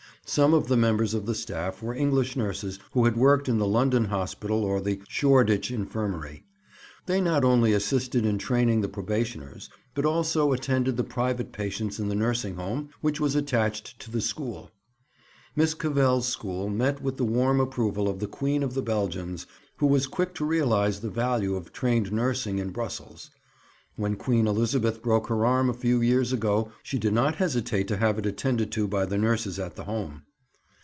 Some of the members of the staff were English nurses who had worked in the London Hospital or the Shoreditch Infirmary. They not only assisted in training the probationers, but also attended the private patients in the Nursing Home which was attached to the school. Miss Cavell's school met with the warm approval of the Queen of the Belgians, who was quick to realize the value of trained nursing in Brussels. When Queen Elizabeth broke her arm a few years ago she did not hesitate to have it attended to by the nurses at the Home.